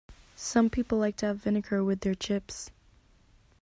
Some people like to have vinegar with their chips